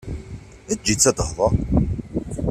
Eǧǧ-itt ad tehder!